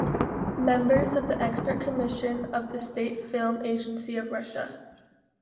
Member of the expert commission of the State Film Agency of Russia.